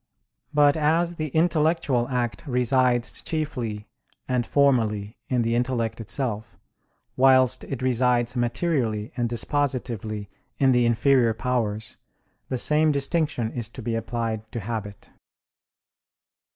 But as the intellectual act resides chiefly and formally in the intellect itself, whilst it resides materially and dispositively in the inferior powers, the same distinction is to be applied to habit.